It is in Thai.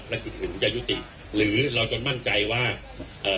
ภาระกิจอื่นจะยุติหรือเราจนมั่งใจว่าเอ่อ